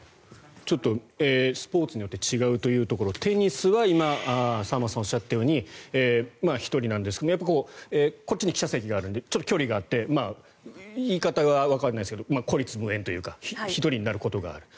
スポーツによって違うというところテニスは今、沢松さんがおっしゃったように１人なんですがやっぱりこっちに記者席があるので距離があって言い方はわからないですけど孤立無援というか１人になることがある。